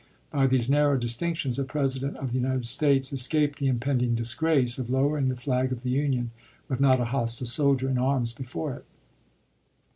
By these narrow dis L> p 118 tinctions, a President of the United States escaped the impending disgrace of lowering the flag of the Union with not a hostile soldier in arms before it.